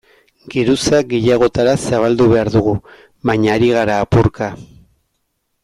Geruza gehiagotara zabaldu behar dugu, baina ari gara apurka.